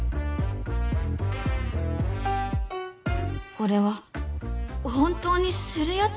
これは本当にスるやつ？